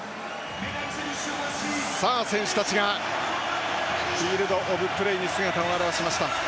選手たちがフィールドオブプレーに姿を現しました。